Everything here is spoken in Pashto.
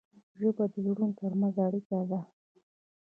ژبه د زړونو ترمنځ اړیکه ده.